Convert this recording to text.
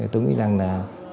tôi nghĩ rằng là